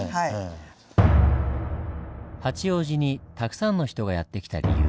八王子にたくさんの人がやって来た理由。